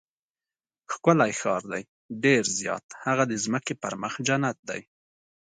ښکلی ښار دی؟ ډېر زیات، هغه د ځمکې پر مخ جنت دی.